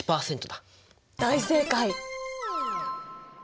大正解！